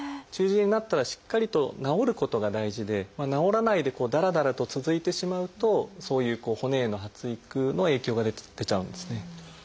中耳炎になったらしっかりと治ることが大事で治らないでだらだらと続いてしまうとそういう骨への発育の影響が出ちゃうんですね。